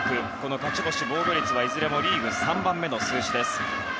勝ち星、防御率はいずれもリーグ３番目の数字。